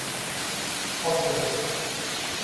Alpestre